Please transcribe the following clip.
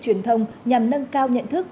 truyền thông nhằm nâng cao nhận thức